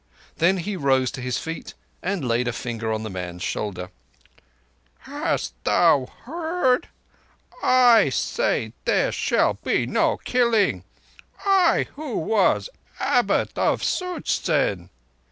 Then he rose to his feet, and laid a finger on the man's shoulder. "Hast thou heard? I say there shall be no killing—I who was Abbot of Such zen.